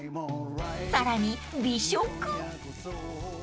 ［さらに］